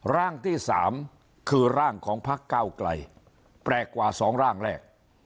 ร่างที่๓คือร่างของพักเก้าไกลแปลกกว่า๒ร่างแรก